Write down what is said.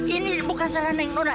ini bukan salah nona